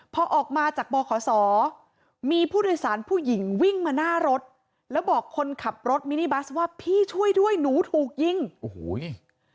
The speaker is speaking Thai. พอออกมาจากบขมีผู้โดยศาลผู้หญิงวิ่งมาหน้ารถและบอกคนขับรถมินิบัสว่าพี่ช่วยด้วยหนูถูกยิงก็เลยตัดสินใจเอารถแอบเข้าข้างทางค่ะ